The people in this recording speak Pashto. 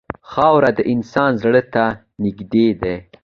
خاوره د انسان زړه ته نږدې ده.